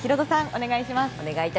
お願いします。